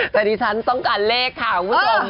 แต่ดิฉันต้องการเลขค่ะคุณผู้ชม